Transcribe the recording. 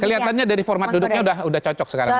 kelihatannya dari format duduknya sudah cocok sekarang